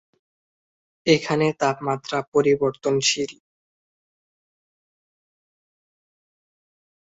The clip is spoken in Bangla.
এখানে তাপমাত্রা পরিবর্তিনশীল।